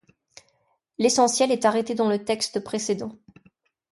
L'essentiel est arrêté dans le texte précédent.